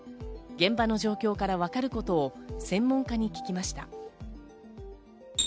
現場の状況からわかることを専門家に聞きました。